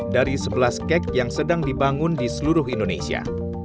dari sebelas kek yang sedang dibangun di seluruh indonesia